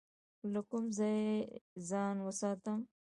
له کوم ځای ځان وساتم؟